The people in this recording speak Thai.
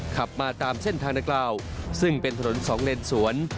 ขับมาตามเส้นทางนักกล่าวซึ่งเป็นถนนสองเลนสวน